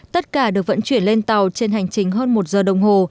tất cả được vận chuyển lên tàu trên hành trình hơn một giờ đồng hồ